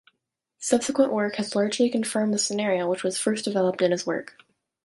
Subsequent work has largely confirmed the scenario which was first developed in his work.